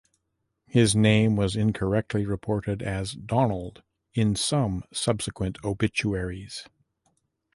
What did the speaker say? His name was incorrectly reported as "Donald" in some subsequent obituaries.